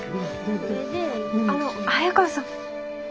あの早川さん。